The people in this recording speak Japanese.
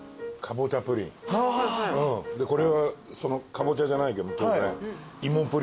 でこれはカボチャじゃないけど当然。